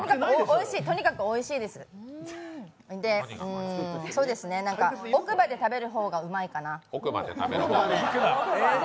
とにかくおいしいですで、奥歯で食べる方がうまいかな。